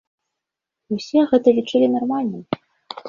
І ўсе гэта лічылі нармальным.